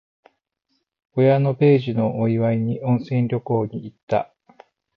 親の米寿のお祝いに、温泉旅行に行った。